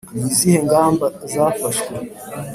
ni izihe ngamba zafashwe